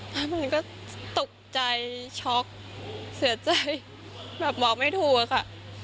แล้วมันก็ตกใจช็อกเสียใจแบบบอกไม่ถูกอะค่ะ